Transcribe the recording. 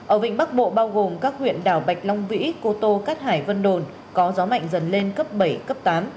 ở vịnh bắc bộ bao gồm các huyện đảo bạch long vĩ cô tô cát hải vân đồn có gió mạnh dần lên cấp bảy cấp tám